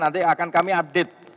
nanti akan kami update